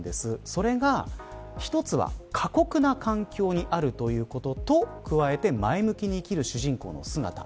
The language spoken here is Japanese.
それが一つは過酷な環境にあるということと前向きに生きる主人公の姿。